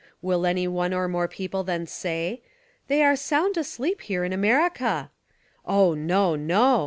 Will any one or more people then say: "They are sound asleep here in America?" Oh, no, no!